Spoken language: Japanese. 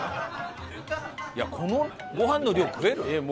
いやこのご飯の量食える？